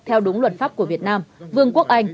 theo đúng luật pháp của việt nam vương quốc anh